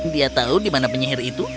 dia tahu di mana penyihir itu